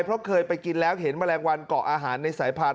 เพราะเคยไปกินแล้วเห็นแมลงวันเกาะอาหารในสายพันธ